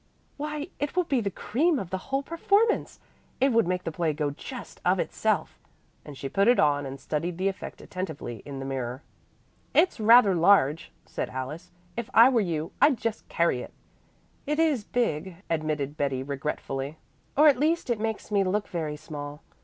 "Why it will be the cream of the whole performance. It would make the play go just of itself," and she put it on and studied the effect attentively in the mirror. "It's rather large," said Alice. "If I were you, I'd just carry it." "It is big," admitted Betty regretfully, "or at least it makes me look very small.